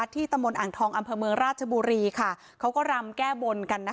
ตำบลอ่างทองอำเภอเมืองราชบุรีเขาก็รำแก้บนกันนะคะ